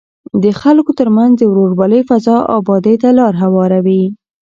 د خلکو ترمنځ د ورورولۍ فضا ابادۍ ته لاره هواروي.